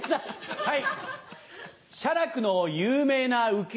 はい。